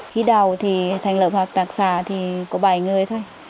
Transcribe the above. khi đầu thì thành lập hợp tác xã thì có bảy người thôi